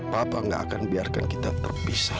bapak nggak akan biarkan kita terpisah